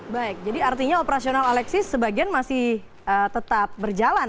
baik jadi artinya operasional alexis sebagian masih tetap berjalan